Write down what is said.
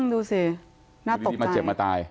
ดูสิน่าตกใจมาเจ็บมาตาย